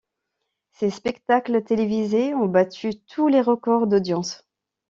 Ses spectacles télévisés ont battu tous les records d'audience.